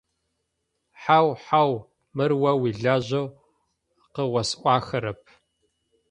Хьау, хьау, мыр о уилажьэу къыосӀуахэрэп.